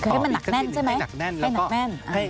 ให้หนักแน่นใช่ไหม